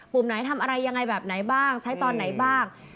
ไหนทำอะไรยังไงแบบไหนบ้างใช้ตอนไหนบ้าง